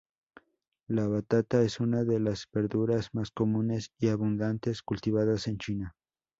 La batata es una de las verduras más comunes y abundantes cultivadas en China.